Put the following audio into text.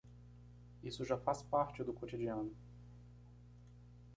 Isso já faz parte do cotidiano.